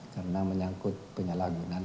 karena menyangkut penyalahgunan